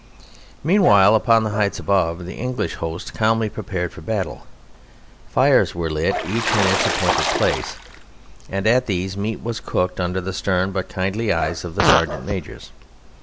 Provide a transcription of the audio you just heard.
Meanwhile, upon the heights above, the English host calmly prepared for battle. Fires were lit each in its appointed place, and at these meat was cooked under the stern but kindly eyes of the sergeant majors.